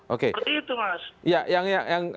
oke seperti itu mas